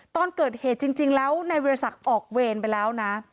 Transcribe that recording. ตอนเกิดเหตุจริงแล้วนายวิทยาศักดิ์ออกเวรไปแล้วนะ